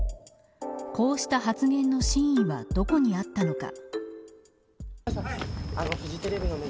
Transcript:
こうした発言の真意はどこにあったのか。